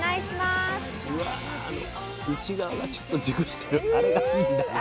うわ内側がちょっと熟してるあれがいいんだよな。